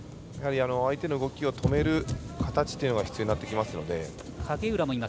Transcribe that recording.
相手の動きを止める形というのが必要になってきます。